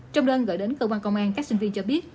trong đơn gửi đến cơ quan công an các sinh viên cho biết